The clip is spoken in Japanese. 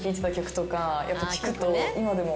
聴くと今でも。